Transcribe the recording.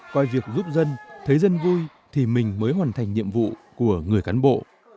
coi việc giúp dân thấy dân vui thì mình mới hoàn thành nhiệm vụ của người cán bộ